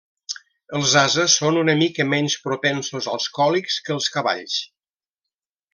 Els ases són una mica menys propensos als còlics que els cavalls.